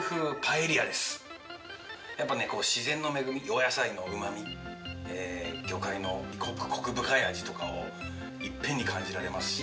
やっぱね自然の恵みお野菜のうまみ魚介のコク深い味とかをいっぺんに感じられますし。